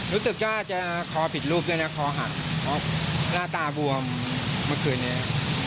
รู้สึกว่าจะคอผิดลูกด้วยนะคอหักเพราะหน้าตาบวมเมื่อคืนนี้